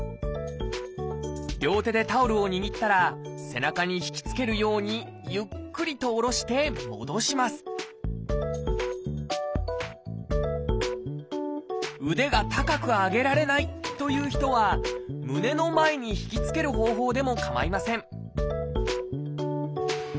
両手でタオルを握ったら背中を引きつけるようにゆっくりと下ろして戻します腕が高く上げられないという人は胸の前に引きつける方法でもかまいません